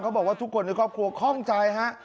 บอกว่าทุกคนในครอบครัวคล่องใจฮะ